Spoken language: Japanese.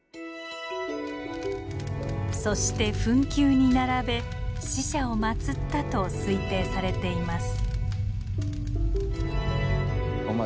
そして墳丘に並べ死者を祭ったと推定されています。